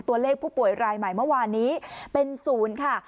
ตัวเลขผู้ป่วยรายใหม่เมื่อวานนี้เป็นศูนย์ค่ะ